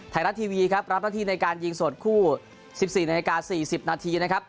ถ่ายแล้วทีวีครับรับหน้าทีในการยิงสดคู่๑๔นาที๔๐นาทีนะครับ